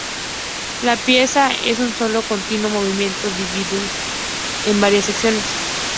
La pieza es un solo continuo movimiento dividido en varias secciones.